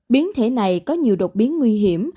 biến thể này có nhiều đột biến nguy hiểm